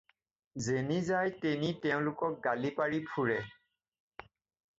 যেনি যায় তেনি এওঁলোকক গালি পাৰি ফুৰে।